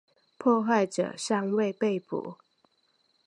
破坏者尚未被捕。